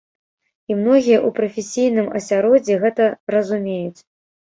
І многія ў прафесійным асяроддзі гэта разумеюць.